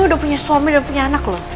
udah punya suami dan punya anak loh